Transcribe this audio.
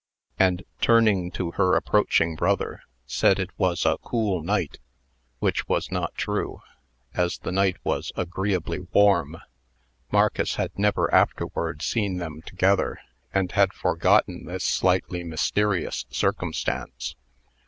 and, turning to her approaching brother, said it was a cool night, which was not true, as the night was agreeably warm. Marcus had never afterward seen them together, and had forgotten this slightly mysterious circumstance.